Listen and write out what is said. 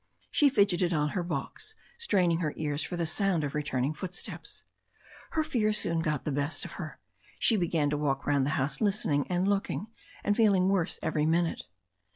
She fidgeted on her box, straining her ears for the sound of re turning footsteps. Her fear soon got the best of her. She began to walk round the house listening and looking, and feeling worse every minute.